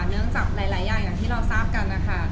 เนื่องจากหลายอย่างอย่างที่เราทราบกันนะคะ